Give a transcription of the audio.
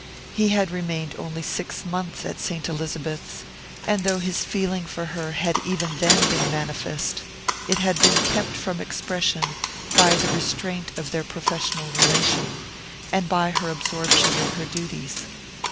He had remained only six months at Saint Elizabeth's, and though his feeling for her had even then been manifest, it had been kept from expression by the restraint of their professional relation, and by her absorption in her duties.